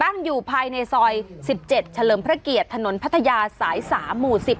ตั้งอยู่ภายในซอยสิบเจ็ดเฉลิมพระเกียรติถนนพัทยาสายสามหมู่สิบ